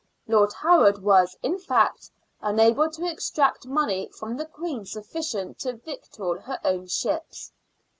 (Lord Howard was, in fact, unable to extract money from the Queen sufficient to victual her own ships.)